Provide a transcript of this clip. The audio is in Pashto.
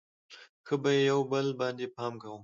ښه به یو بل باندې پام کوو.